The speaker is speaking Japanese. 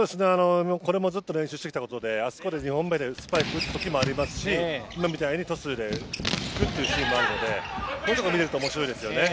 これもずっと練習してきたプレーであそこで２本目でスパイク打つ時もありますし今みたいにトスで打っていくシーンもあるのでそういうところを見れると面白いですよね。